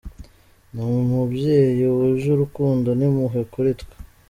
Ni umubyeyi wuje urukundo n’impuhwe kuri twe.